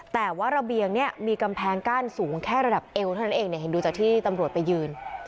แต่ว่าระเบียงเนี่ยมีกำแพงกั้นสูงแค่ระดับเอวเท่านั้นเองเนี่ยเห็นดูจากที่ตำรวจไปยืน